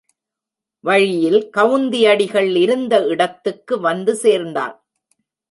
வழியில் கவுந்தியடிகள் இருந்த இடத்துக்கு வந்து சேர்ந்தான்.